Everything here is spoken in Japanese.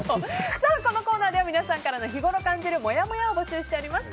このコーナーでは皆さんからの日ごろ感じるもやもやを募集しております。